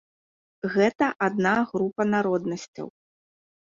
Гэта адна група народнасцяў.